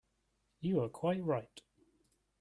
You are quite right.